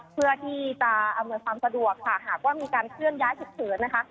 เพื่อที่จะอำนวยความสะดวกค่ะหากว่ามีการเคลื่อนย้ายฉุกเฉินนะคะ